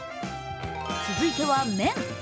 続いては麺。